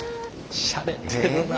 しゃれてるな。